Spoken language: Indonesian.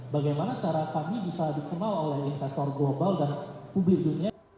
bagaimana cara kami bisa dikenal oleh investor global dan publik dunia